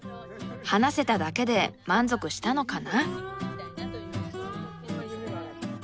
話せただけで満足したのかな？